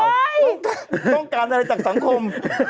ต้องการอะไรจากสังคม